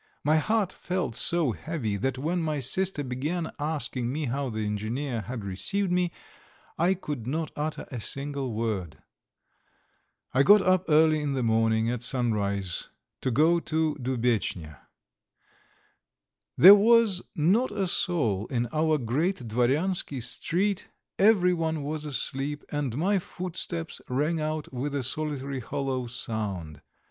My heart felt so heavy, that when my sister began asking me how the engineer had received me, I could not utter a single word. I got up early in the morning, at sunrise, to go to Dubetchnya. There was not a soul in our Great Dvoryansky Street; everyone was asleep, and my footsteps rang out with a solitary, hollow sound.